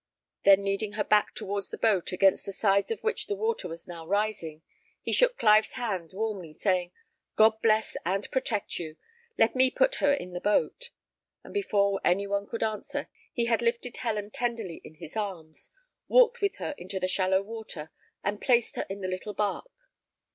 Then leading her back towards the boat, against the sides of which the water was now rising, he shook Clive's hand warmly, saying, "God bless and protect you! Let me put her in the boat." And before any one could answer, he had lifted Helen tenderly in his arms, walked with her into the shallow water, and placed her in the little bark.